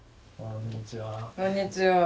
こんにちは。